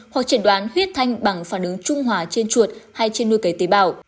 hoặc chẩn đoán huyết thanh bằng phản ứng trung hòa trên chuột hay trên nuôi cấy tế bào